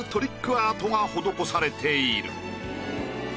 アートが施されている。